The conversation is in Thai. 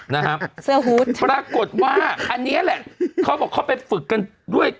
นะฮะเสื้อฮูตปรากฏว่าอันนี้แหละเขาบอกเขาไปฝึกกันด้วย